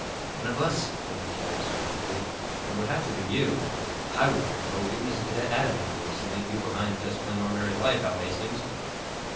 "One of us?" muttered Jack, scornfully. "Then it would have to be you. I wouldn't go, even as a cadet at Annapolis, and leave you behind in just plain, ordinary life, Hal Hastings!"